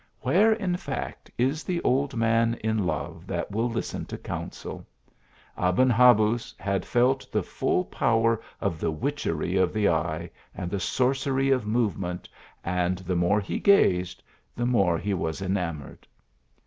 Where, in fact, is the old man in love that will listen to counsel ? Aben Habuz had felt the full power of the witchery of the eye, and the sorcery of movement, and the more he gazed, the more he was enamoured.